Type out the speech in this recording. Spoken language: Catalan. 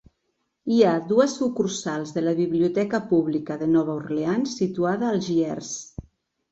Hi ha dues sucursals de la Biblioteca Pública de Nova Orleans situada a Algiers.